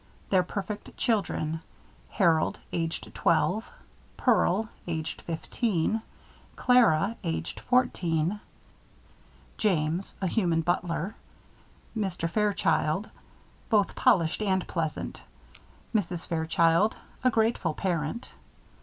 Their Perfect Children. HAROLD: Aged 12 PEARL: Aged 15 CLARA: Aged 14 JAMES: A Human Butler. MR. FAIRCHILD: Both Polished and Pleasant. MRS. FAIRCHILD: A Grateful Parent.